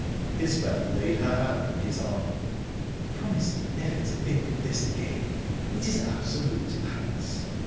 Isbel laid her hand on his arm. "Promise me never to think of this again. It is absolute madness.